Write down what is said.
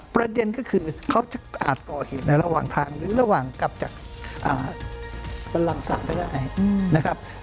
ประเด็นก็คือเขาจะอาจก่อเหตุในระหว่างทางหรือระหว่างกลับจากบันลังศาลก็ได้นะครับ